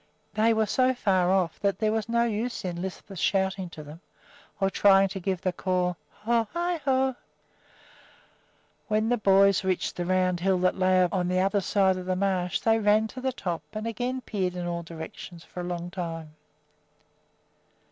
They were so far off that there was no use in Lisbeth's shouting to them or trying to give the call "Ho i ho!" When the boys reached a round hill that lay on the other side of the marsh, they ran to the top and again peered in all directions for a long time.